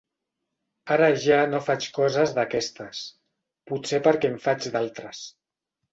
Ara ja no faig coses d'aquestes, potser perquè en faig d'altres.